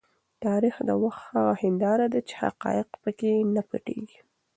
تاریخ د وخت هغه هنداره ده چې حقایق په کې نه پټیږي.